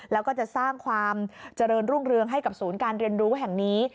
แล้วก็จะสร้างความเจริญรุ่งเรืองให้กับศูนย์การเรียนรู้แห่งนี้